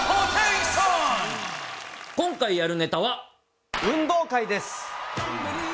今回やるネタは「運動会」です